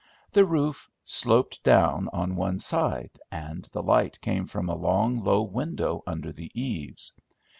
The roof sloped down on one side, and the light came from a long, low window under the eaves.